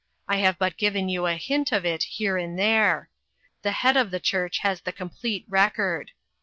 I have but given you a hint of it here and there. The head of the Church has the complete record.